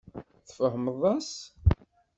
Tfehmeḍ-as?